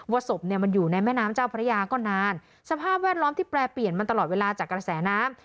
ศพเนี่ยมันอยู่ในแม่น้ำเจ้าพระยาก็นานสภาพแวดล้อมที่แปรเปลี่ยนมาตลอดเวลาจากกระแสน้ำ